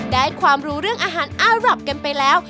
ได้ความรู้เรื่องอาหารอารับกันไปแล้ว